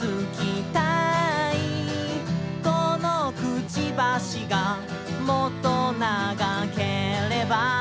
「このくちばしがもっと長ければ」